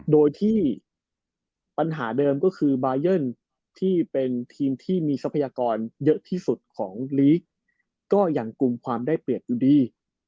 โดยที่ปัญหาเดิมก็คือบายันที่เป็นทีมที่มีทรัพยากรเยอะที่สุดของลีกก็ยังกลุ่มความได้เปรียบอยู่ดี